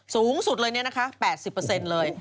สูงสุดเลยเนี่ยนะคะ๘๐เลย